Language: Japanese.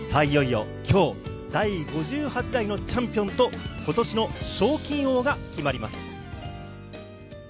いよいよ今日、第５８代のチャンピオンと今年の賞金王が決まります。